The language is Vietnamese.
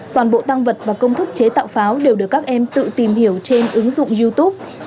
toàn bộ tăng vật và công thức chế tạo pháo đều được các em tự tìm hiểu trên ứng dụng youtube